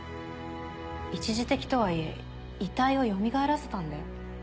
一時的とはいえ遺体をよみがえらせたんだよ？